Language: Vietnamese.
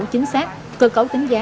chính xác cơ cấu tính giá